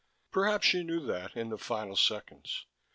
Perhaps she knew that, in the final seconds.